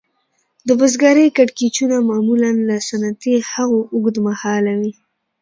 د بزګرۍ کړکېچونه معمولاً له صنعتي هغو اوږد مهاله وي